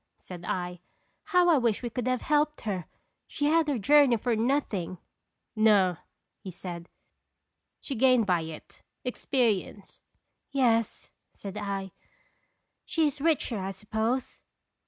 said I. "How I wish we could have helped her ! She had her journey for nothing." "No," he said; "she gained by it expe rience." " Yes," said 1; " she is richer, I suppose."